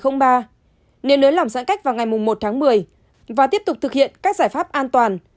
nếu nới lỏng giãn cách vào ngày một tháng một mươi và tiếp tục thực hiện các giải pháp an toàn